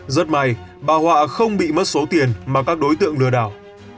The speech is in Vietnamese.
rất may bà họa không bị mất số tiền mà các đối tượng lừa đảo